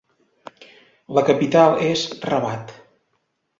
La capital és Rabat.